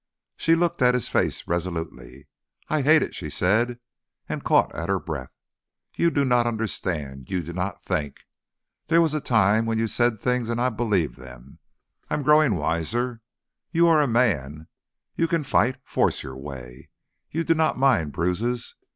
She looked at his face resolutely. "I hate it," she said, and caught at her breath. "You do not understand, you do not think. There was a time when you said things and I believed them. I am growing wiser. You are a man, you can fight, force your way. You do not mind bruises.